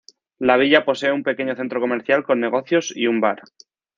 La villa posee un pequeño centro comercial con negocios y un bar.